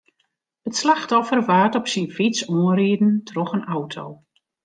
It slachtoffer waard op syn fyts oanriden troch in auto.